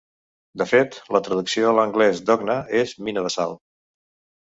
De fet, la traducció a l'anglès d'Ocna és "mina de sal".